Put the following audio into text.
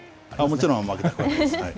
もちろん、負けてほしくはないです。